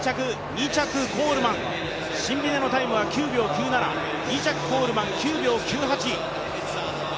２着コールマン、シンビネのタイムは９秒９７、２着コールマン、９秒９８。